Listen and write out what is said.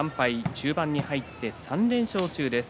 中盤に入って３連勝中です。